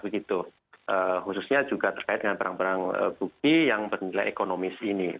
khususnya juga terkait dengan barang barang bukti yang bernilai ekonomis ini